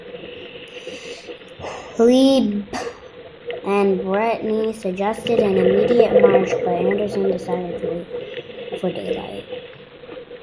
Leib and Bretney suggested an immediate march but Anderson decided to wait for daylight.